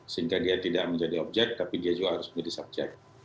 sehingga dia tidak menjadi objek tapi dia juga harus menjadi subjek